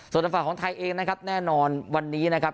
ส่วนทางฝั่งของไทยเองนะครับแน่นอนวันนี้นะครับ